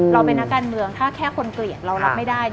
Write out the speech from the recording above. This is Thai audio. เราเป็นนักการเมืองถ้าแค่คนเกลียดเรารับไม่ได้